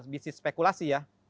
bisnis spekulasi ya